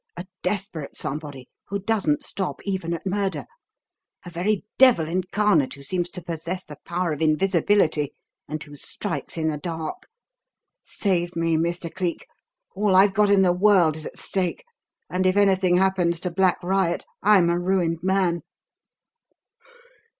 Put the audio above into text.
A desperate 'somebody,' who doesn't stop even at murder. A very devil incarnate who seems to possess the power of invisibility, and who strikes in the dark. Save me, Mr. Cleek! All I've got in the world is at stake, and if anything happens to Black Riot, I'm a ruined man."